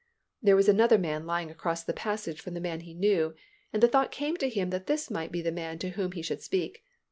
There was another man lying across the passage from the man he knew and the thought came to him that this might be the man to whom he should speak.